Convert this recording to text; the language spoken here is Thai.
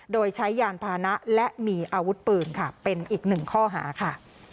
โดยใช้ยานพานะและมีอาวุธปืนค่ะเป็นอีกหนึ่งข้อหาค่ะ